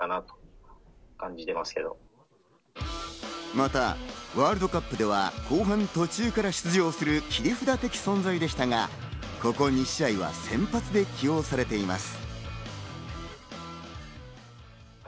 またワールドカップでは後半途中から出場する、切り札的存在でしたが、ここ２試合は先発で起用されています。